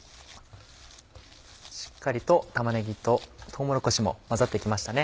しっかりと玉ねぎととうもろこしも混ざって来ましたね。